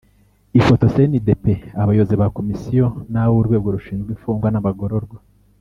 Ifoto cndp abayobozi ba komisiyo n ab urwego rushinzwe imfugwa n abagororwa